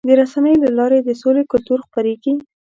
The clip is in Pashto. د رسنیو له لارې د سولې کلتور خپرېږي.